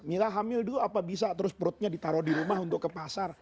mila hamil dulu apa bisa terus perutnya ditaruh di rumah untuk ke pasar